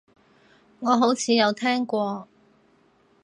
我好似有聽過